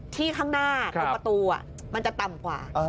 ข้างหน้าตรงประตูมันจะต่ำกว่า